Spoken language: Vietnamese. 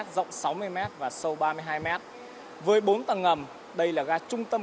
rộng sáu mươi m và sâu ba mươi hai m với bốn tầng ngầm đây là ga trung tâm